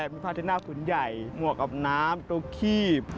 มีพาเซนต์หน้าฝุ่นใหญ่หมวกอบน้ำโต๊ะคีบ